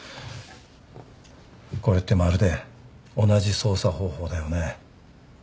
これってまるで同じ捜査方法だよね。